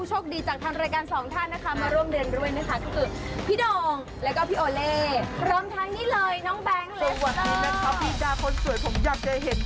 จัวมทางนี้เลยน้องแบงฟ์และสเตอร์